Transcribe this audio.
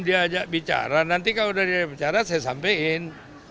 nanti kalau diajak bicara nanti kalau diajak bicara saya sampaikan